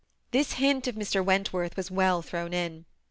This hint of Mr. Wentworth's was well thrown in.